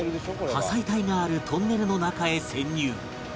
破砕帯があるトンネルの中へ潜入！